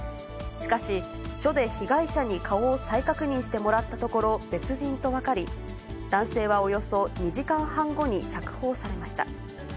しかし、署で被害者に顔を再確認してもらったところ、別人と分かり、男性はおよそ２時間半後に釈放されました。